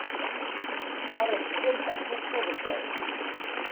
Qqaren-d kan d taḥbibt uḍebbal.